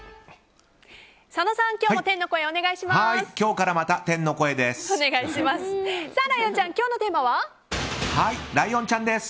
佐野さん、今日も天の声お願いします。